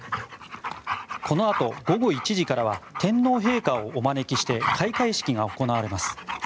このあと午後１時からは天皇陛下をお招きして開会式が行われます。